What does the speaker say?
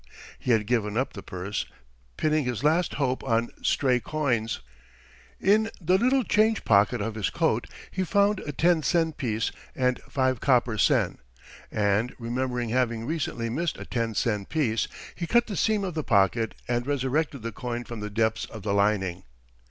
He had given up the purse, pinning his last hope on stray coins. In the little change pocket of his coat he found a ten sen piece and five copper sen; and remembering having recently missed a ten sen piece, he cut the seam of the pocket and resurrected the coin from the depths of the lining.